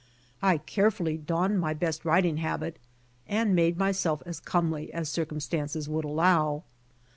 I carefully donned my best riding habit, and made myself as comely as circumstances would allow.